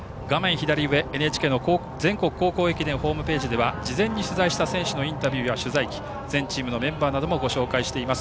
左上、ＮＨＫの全国高校駅伝ホームページでは事前に取材した選手のインタビューや取材記全チームのメンバーなどもご紹介しています。